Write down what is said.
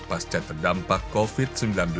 pasca terdampak covid sembilan belas